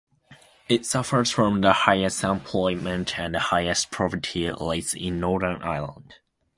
It suffers from the highest unemployment and highest poverty rates in Northern Ireland.